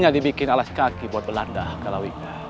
gisei archangable yang blanc